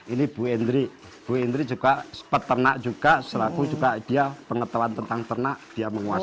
ini bu endri bu endri juga peternak juga selaku juga dia pengetahuan tentang ternak dia menguasai